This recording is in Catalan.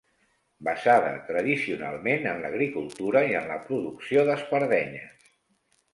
Basada tradicionalment en l'agricultura i en la producció d'espardenyes.